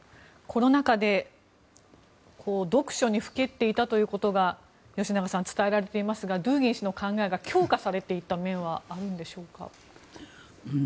コロナ禍で読書にふけっていたということが吉永さん、伝えられていますがドゥーギン氏の考えが強化されていった面はあるんでしょうか？